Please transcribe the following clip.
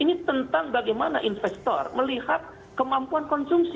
ini tentang bagaimana investor melihat kemampuan konsumsi